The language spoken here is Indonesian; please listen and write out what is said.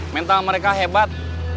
mental mereka hebat